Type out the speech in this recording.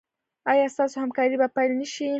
ایا ستاسو همکاري به پیل نه شي؟